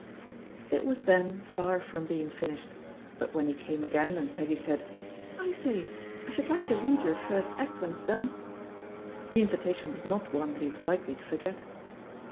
It was then far from being finished ; but when he came again and Peggy said, "I say, I should like to read your first act when it's done," the invitation was not one that he was likely to for get.